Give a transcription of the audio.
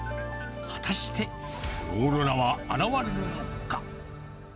果たして、オーロラは現れるのか。